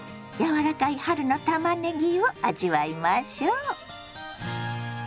柔らかい春のたまねぎを味わいましょ。